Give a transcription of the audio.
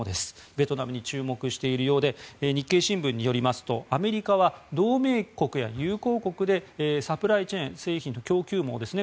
ベトナムに注目しているようで日経新聞によりますとアメリカは同盟国や友好国でサプライチェーン製品の供給網ですね